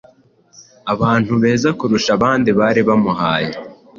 Abantu bezakurusha abandi bari bamuhaye